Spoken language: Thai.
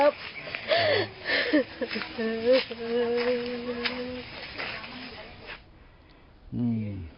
คุกคุกคุก